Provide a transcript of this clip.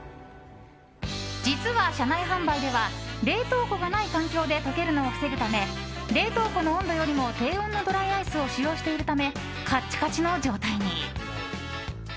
実は、車内販売では冷凍庫がない環境で溶けるのを防ぐため冷凍庫の温度よりも低温のドライアイスを使用しているためカッチカチの状態に。